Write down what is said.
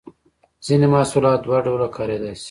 ځینې محصولات دوه ډوله کاریدای شي.